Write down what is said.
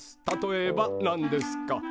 例えばなんですか？